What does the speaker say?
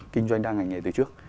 kinh doanh đa ngành nghề từ trước